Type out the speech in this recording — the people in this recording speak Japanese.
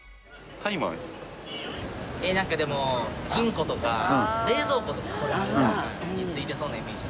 なんかでも金庫とか冷蔵庫とかについてそうなイメージ。